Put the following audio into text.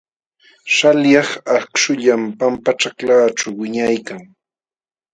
Śhalyaq akśhullam pampaćhaklaaćhu wiñaykan.